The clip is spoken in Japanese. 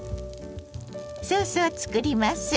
ソースを作ります。